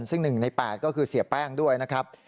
ซึ่ง๑ใน๘ก็คือเสียแป้งด้วยนะครับ